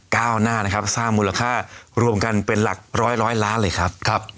ก้าวหน้านะครับสร้างมูลค่ารวมกันเป็นหลักร้อยร้อยล้านเลยครับครับ